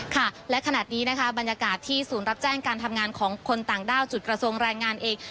ค่ะและขณะนี้นะคะบรรยากาศที่ศูนย์รับแจ้งการทำงานของคนต่างด้าวจุดกระทรวงแรงงานเอง